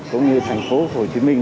cũng như thành phố hồ chí minh